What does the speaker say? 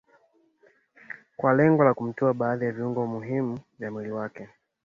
kwa lengo la kumtoa baadhi ya viungo muhimu vya mwili wake